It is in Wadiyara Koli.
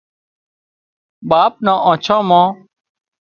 ٻاپ نان آنڇان مان